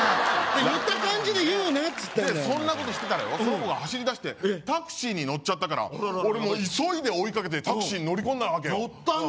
言った感じで言うなっつってんだそんなことしてたらよその子が走りだしてタクシーに乗ったから俺もう急いで追いかけてタクシーに乗り込んだわけよ